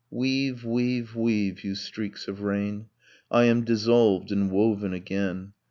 Weave, weave, weave, you streaks of rain! I am dissolved and woven again